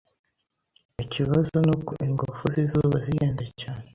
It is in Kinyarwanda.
Ikibazo nuko ingufu zizuba zihenze cyane.